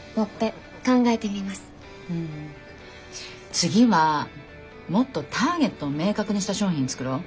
次はもっとターゲットを明確にした商品作ろう。